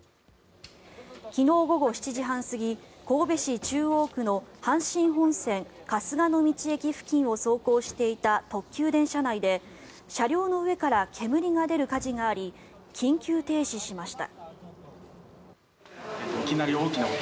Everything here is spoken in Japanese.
昨日午後７時半過ぎ神戸市中央区の阪神本線春日野道駅付近を走行していた特急電車内で車両の上から煙が出る火事があり緊急停止しました。